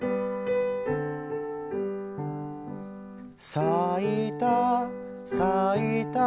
「さいたさいた」